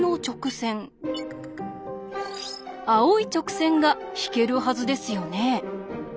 青い直線が引けるはずですよね。